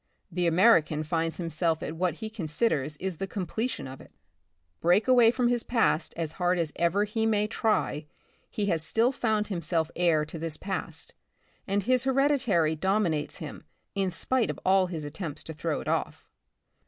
The American finds himself at what he con siders is the completion of it. Break away from his past as hard as ever he may try, he has still found himself heir to this past, and his heredity dominates him in spite of all his attempts to throw it off.